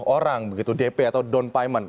lima puluh orang begitu dp atau down payment